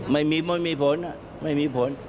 ไม่มีผล